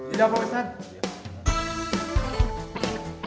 iya pak ustadz